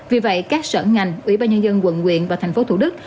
vì vậy các sở ngành ủy ban nhân dân quận quyện và thành phố thủ đức